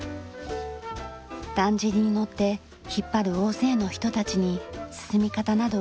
だんじりに乗って引っ張る大勢の人たちに進み方などを指示する大工方。